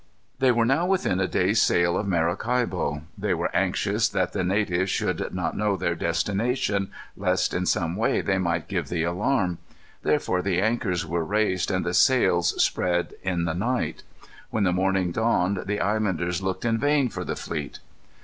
They were now within a day's sail of Maracaibo. They were anxious that the natives should not know their destination, lest in some way they might give the alarm. Therefore the anchors were raised and the sails spread in the night. When the morning dawned the islanders looked in vain for the fleet.